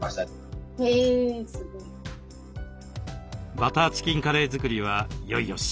バターチキンカレー作りはいよいよ仕上げに。